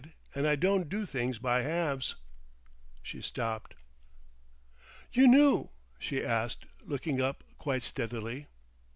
And I don't do things by halves." She stopped. "You knew?"—she asked, looking up, quite steadily.